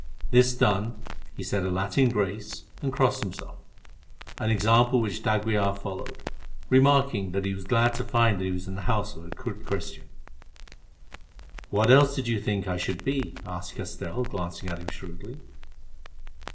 This done, he said a Latin grace and crossed himself, an example which d'Aguilar followed, remarking that he was glad to find that he was in the house of a good Christian. "What else did you think that I should be?" asked Castell, glancing at him shrewdly.